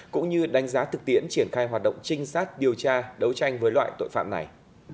cũng như đánh giá thực tiễn triển khai hoạt động trinh sát điều tra đấu tranh với loại tội phạm này